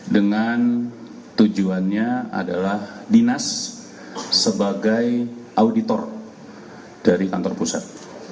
dengan tujuannya adalah dinas sebagai auditor dari kantor pusat